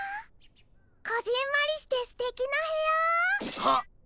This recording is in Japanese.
こぢんまりしてすてきなへや！